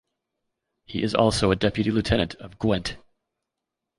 He is also a Deputy Lieutenant of Gwent.